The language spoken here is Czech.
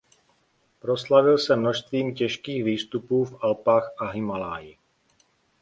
Proslavil se množstvím těžkých výstupů v Alpách a Himálaji.